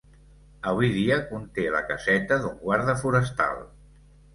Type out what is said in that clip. Avui dia conté la caseta d'un guarda forestal.